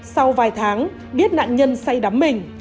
sau vài tháng biết nạn nhân say đắm mình